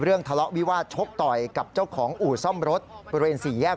ทะเลาะวิวาสชกต่อยกับเจ้าของอู่ซ่อมรถบริเวณสี่แยก